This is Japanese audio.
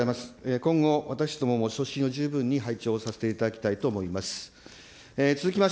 今後、私たちも所信を十分に拝聴させていただきたいと思います。